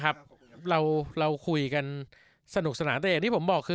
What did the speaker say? ครับเราเราคุยกันสนุกสนานแต่อย่างที่ผม